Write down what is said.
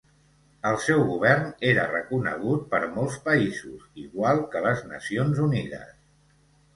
El seu govern era reconegut per molts països, igual que les Nacions Unides.